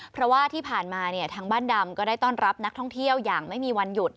เพราะว่าที่ผ่านมาเนี่ยทางบ้านดำก็ได้ต้อนรับนักท่องเที่ยวอย่างไม่มีวันหยุด